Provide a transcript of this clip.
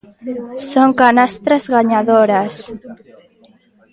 Son canastras gañadoras.